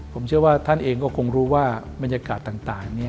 ผมเชื่อว่าท่านเองก็คงรู้ว่าบรรยากาศต่าง